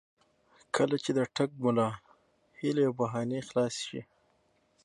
کله چې د ټګ ملا هیلې او بهانې خلاصې شي.